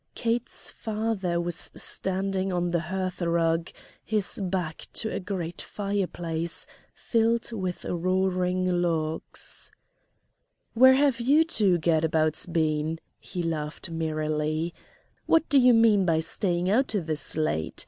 Kate's father was standing on the hearth rug, his back to a great fireplace filled with roaring logs. "Where have you two gadabouts been?" he laughed merrily. "What do you mean by staying out this late?